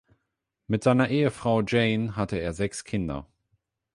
Mit seiner Ehefrau Jane hatte er sechs Kinder.